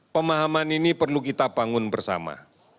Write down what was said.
pemahaman ini perlu kita bangun bersama